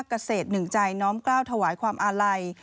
เกษตรหนึ่งใจน้อมกล้าวถวายความอาลัย